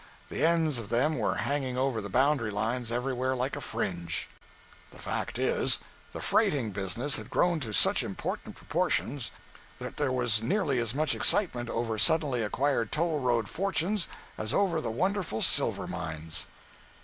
The ends of them were hanging over the boundary line everywhere like a fringe. 192.jpg (29K) The fact is, the freighting business had grown to such important proportions that there was nearly as much excitement over suddenly acquired toll road fortunes as over the wonderful silver mines.